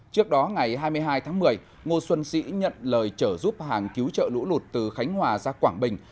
trước đó ngày hai mươi hai tháng một mươi ngô xuân sĩ nhận lời trở giúp hàng cứu trợ lũ lụt từ khánh hòa ra quảng bình